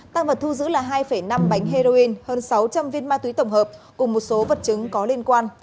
tăng vật thu giữ là hai năm bánh heroin hơn sáu trăm linh viên ma túy tổng hợp cùng một số vật chứng có liên quan